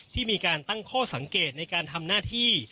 ที่มีการตั้งข้อสังเกตในการทำหน้าที่